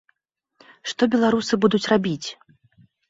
Што беларусы будуць рабіць?